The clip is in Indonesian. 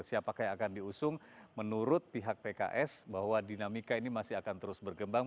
siapakah yang akan diusung menurut pihak pks bahwa dinamika ini masih akan terus berkembang